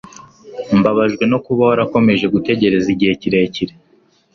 mbabajwe no kuba warakomeje gutegereza igihe kirekire